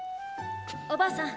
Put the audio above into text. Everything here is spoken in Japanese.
おばあさん